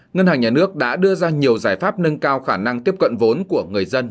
ngân hàng nhà nước đã đưa ra nhiều giải pháp nâng cao khả năng tiếp cận vốn của người dân